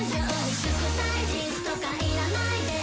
祝祭日とか要らないです。